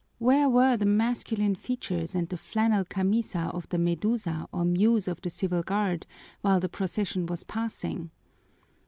Where were the masculine features and the flannel camisa of the Medusa or Muse of the Civil Guard while the procession was passing?